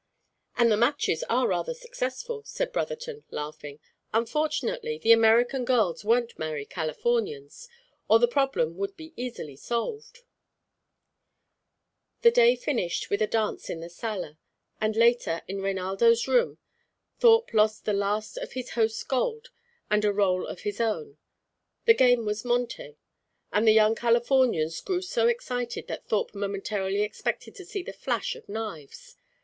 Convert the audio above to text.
"And the matches are rather successful," said Brotherton, laughing. "Unfortunately, the American girls won't marry Californians, or the problem would be easily solved." The day finished with a dance in the sala; and later, in Reinaldo's room, Thorpe lost the last of his host's gold and a roll of his own. The game was monté, and the young Californians grew so excited that Thorpe momentarily expected to see the flash of knives.